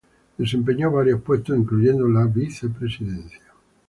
Desempeñó varios puestos, incluyendo la vicepresidencia.